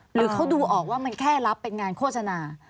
หรือเขาดูออกว่ามันแค่รับเป็นงานโฆษณา